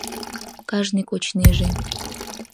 Кажне кочнеже.